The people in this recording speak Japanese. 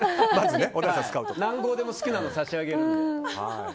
何号でも好きなのを差し上げるので。